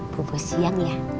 pobos siang ya